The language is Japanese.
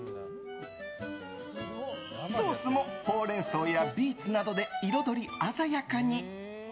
ソースも、ホウレンソウやビーツなどで彩り鮮やかに。